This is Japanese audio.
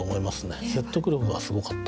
説得力がすごかった。